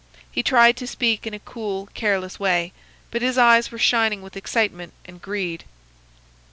He tried to speak in a cool, careless way, but his eyes were shining with excitement and greed.